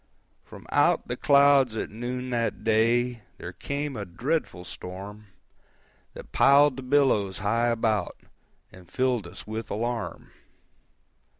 From out the clouds at noon that day There came a dreadful storm, That piled the billows high about, And filled us with alarm.